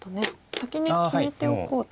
先に決めておこうと。